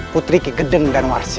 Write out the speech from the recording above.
putri kegedeng dan warsi